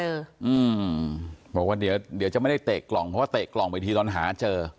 อืมบอกว่าเดี๋ยวเดี๋ยวจะไม่ได้เตะกล่องเพราะว่าเตะกล่องไปทีตอนหาเจอ